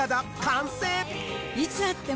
いつ会っても。